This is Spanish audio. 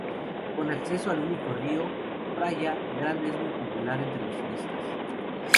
Con acceso al único río, Praia Grande es muy popular entre los turistas.